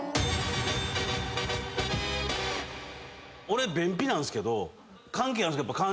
俺便秘なんすけど関係あるんですか？